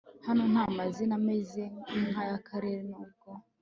Hano nta mazina ameze nkayakera nubwo